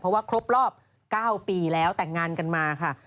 เพราะว่าครบรอบ๙ปีแล้วแต่งงานกันมาค่ะ